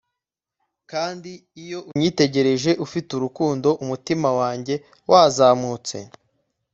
kandi iyo unyitegereje ufite urukundo, umutima wanjye wazamutse